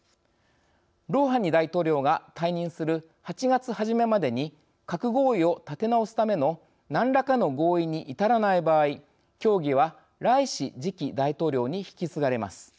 ロウハニ大統領が退任する８月初めまでに核合意を立て直すための何らかの合意に至らない場合協議はライシ次期大統領に引き継がれます。